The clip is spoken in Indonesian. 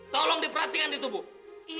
tolong diperhatikan di tubuh